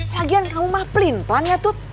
lagian kamu mah pelin pelan ya tut